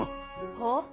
はあ？